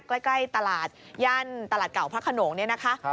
ใกล้ตลาดย่านตลาดเก่าพระขนงเนี่ยนะคะ